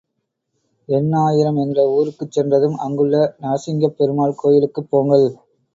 எண்ணாயிரம் என்ற ஊருக்குச் சென்றதும் அங்குள்ள நரசிங்கப் பெருமாள் கோயிலுக்குப் போங்கள்.